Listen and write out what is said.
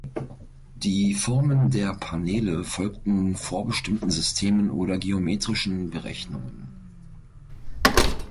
Die Formen der Paneele folgten vorbestimmten Systemen oder geometrischen Berechnungen.